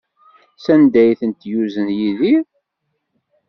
Sanda ay tent-yuzen Yidir?